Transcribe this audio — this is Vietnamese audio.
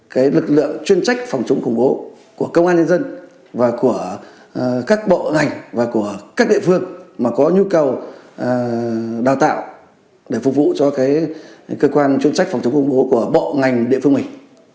cái lực lượng chuyên trách phòng chống khủng bố của công an nhân dân và của các bộ ngành và của các địa phương mà có nhu cầu đào tạo để phục vụ cho cái cơ quan chuyên trách phòng chống khủng bố của bộ ngành địa phương mình